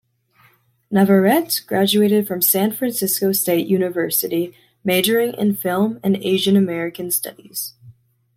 Navarrete graduated from San Francisco State University, majoring in film and Asian American studies.